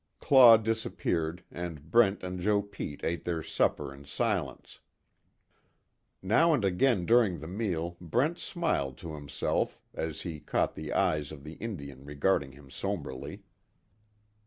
Claw disappeared and Brent and Joe Pete ate their supper in silence. Now and again during the meal Brent smiled to himself as he caught the eyes of the Indian regarding him sombrely.